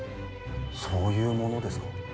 そういうものですか。